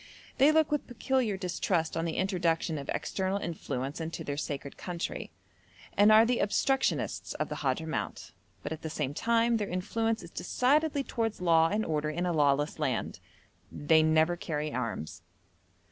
They look with peculiar distrust on the introduction of external influence into their sacred country, and are the obstructionists of the Hadhramout, but at the same time their influence is decidedly towards law and order in a lawless land. They never carry arms.